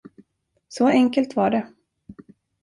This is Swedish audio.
Så enkelt var det.